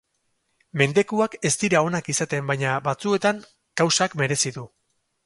Mendekuak ez dira onak izaten baina batzuetan kausak merezi du.